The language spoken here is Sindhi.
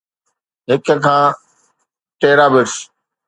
هڪ کان terabits